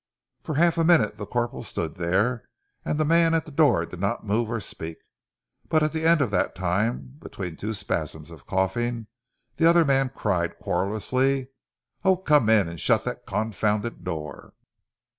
For half a minute the corporal stood there, and the man at the door did not move or speak; but at the end of that time, between two spasms of coughing, the other man cried querulously, "Oh, come in and shut that confounded door!"